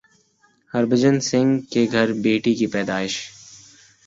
ہربھجن سنگھ کے گھر بیٹی کی پیدائش